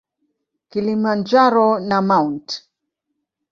Kilimanjaro na Mt.